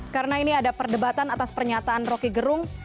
karena ini ada perdebatan atas pernyataan rocky gerung